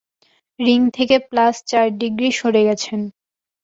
Ring থেকে plus চার degree সরে গেছেন।